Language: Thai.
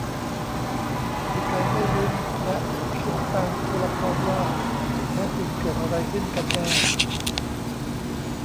คือการได้ลุ้นและคิดตามตัวละครว่าแท้จริงเกิดอะไรขึ้นกันแน่